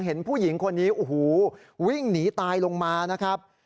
เห็นผู้หญิงคนนี้โอ้โหวิ่งหนีตายลงมานะครับ